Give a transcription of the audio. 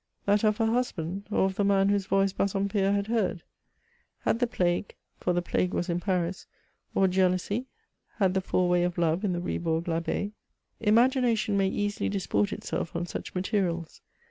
That of her husband, or of the man whose voice Bassompierre had heard ? Had the plague (for the plague was in Paris,) or jealousy, had the foreway of love in the Rue Bourg rAhb^? Imagination may easily disport itself on such materials.